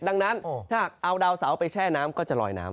ดังนั้นถ้าเอาดาวเสาไปแช่น้ำก็จะลอยน้ำ